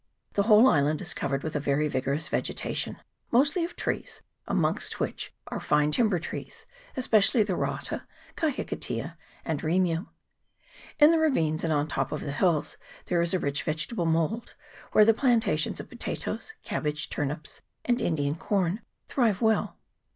The whole island is covered with a very vigorous vegetation, mostly of trees, amongst which are fine timber trees, especially the rata, kahikatea, and rimu. In the ravines and on the top of the hills there is a rich vegetable mould, where the plantations of potatoes, cabbage, turnips, and Indian corn thrive well.